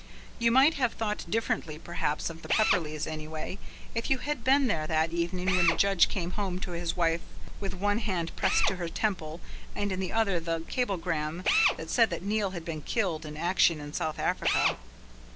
You might have thought differently perhaps of the Pepperleighs, anyway, if you had been there that evening when the judge came home to his wife with one hand pressed to his temple and in the other the cablegram that said that Neil had been killed in action in South Africa.